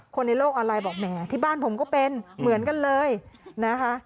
ในโลกออนไลน์บอกแหมที่บ้านผมก็เป็นเหมือนกันเลยนะคะ